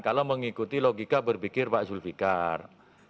kalau mengikuti logika berpikir pak zulfikar